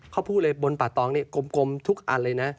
เขาพูดเลยบนป่าตองนี่กลมทุกอันเลยนะ